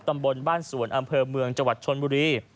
ตำบลบ้านสวนอำเภอเมืองจังหวัดชนบุรี